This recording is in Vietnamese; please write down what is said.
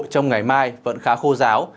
trong ngày mai vẫn khá khô giáo